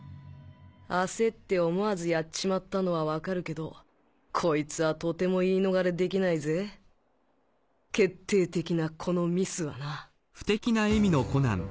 焦って思わずやっちまったのはわかるけどこいつはとても言い逃れできないぜ決定的なこのミスはな！